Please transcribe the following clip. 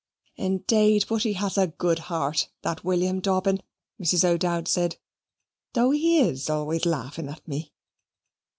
"Indeed, but he has a good heart that William Dobbin," Mrs. O'Dowd said, "though he is always laughing at me."